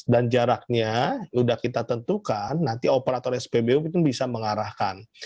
jaraknya sudah kita tentukan nanti operator spbu itu bisa mengarahkan